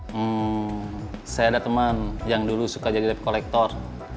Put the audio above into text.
hmm saya ada teman yang dulu suka jadi lab kolektor